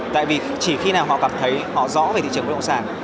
tại vì chỉ khi nào họ cảm thấy họ rõ về thị trường bất động sản